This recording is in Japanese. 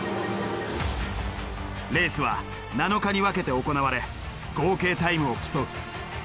レースは７日に分けて行われ合計タイムを競う。